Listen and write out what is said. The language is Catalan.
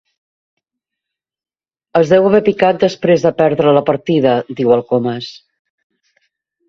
Es deu haver picat després de perdre la partida —diu el Comas.